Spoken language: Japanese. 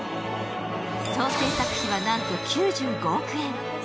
総製作費はなんと９５億円。